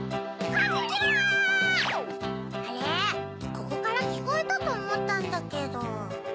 ここからきこえたとおもったんだけど。